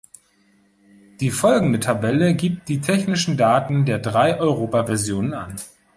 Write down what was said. Die folgende Tabelle gibt die technischen Daten der drei Europa-Versionen an.